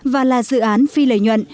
và là dự án phi lợi nhuận